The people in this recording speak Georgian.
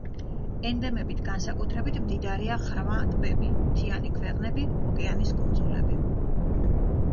ენდემებით განსაკუთრებით მდიდარია ღრმა ტბები, მთიანი ქვეყნები, ოკეანის კუნძულები.